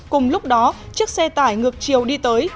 cùng lúc đó chiếc xe tải ngược chiều đi tới